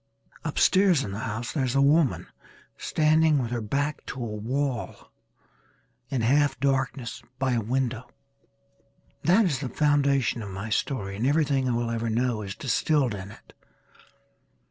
Upstairs in the house there is a woman standing with her back to a wall, in half darkness by a window. That is the foundation of my story and everything I will ever know is distilled in it.